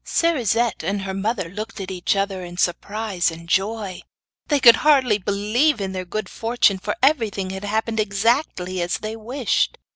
Cerisette and her mother looked at each other in surprise and joy. They could hardly believe in their good fortune, for everything had happened exactly as they wished.